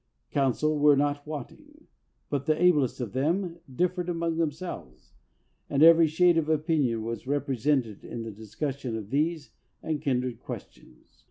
Counsel were not wanting, but the ablest of them differed among themselves, and every shade of opinion was represented in the discussion of these and kindred questions.